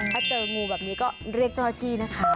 ถ้าเจองูแบบนี้ก็เรียกเจ้าหน้าที่นะคะ